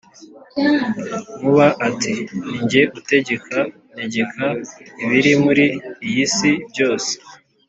nkuba Ati: "Ni jye utegeka, ntegeka, ibiri muri iyi si byose;